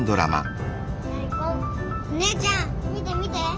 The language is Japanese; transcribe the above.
おねえちゃん見て見て！